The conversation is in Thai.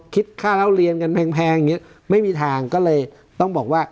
คิดค่าเล่าเรียนกันแพงอย่างเงี้ยไม่มีทางก็เลยต้องบอกว่า